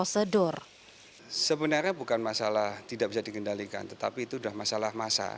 sebenarnya bukan masalah tidak bisa dikendalikan tetapi itu sudah masalah masa